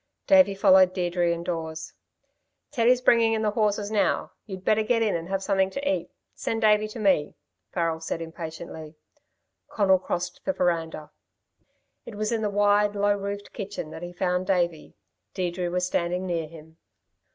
Davey followed Deirdre indoors. "Teddy's bringing in the horses now. You'd better get in and have something to eat. Send Davey to me," Farrel said impatiently. Conal crossed the verandah. It was in the wide, low roofed kitchen that he found Davey. Deirdre was standing near him.